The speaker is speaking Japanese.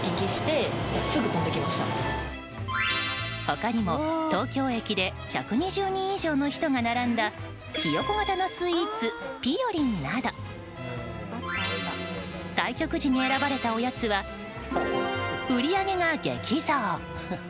他にも、東京駅で１２０人以上の人が並んだヒヨコ型のスイーツぴよりんなど対局時に選ばれたおやつは売り上げが激増。